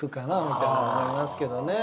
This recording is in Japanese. みたいに思いますけどね。